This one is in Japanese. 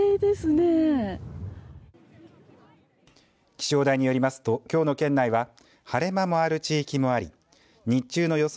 気象台によりますときょうの県内は晴れ間もある地域もあり日中の予想